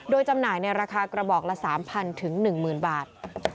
โดยจำหน่ายในราคากระบอกละ๓๐๐๑๐๐บาท